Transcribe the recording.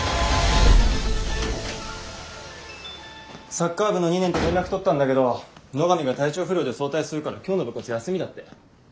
サッカー部の２年と連絡取ったんだけど野上が体調不良で早退するから今日の部活休みだって。